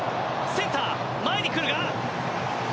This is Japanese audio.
センター、前に来るが。